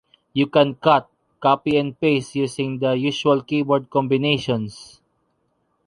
You can cut, copy and paste using the usual keyboard combinations.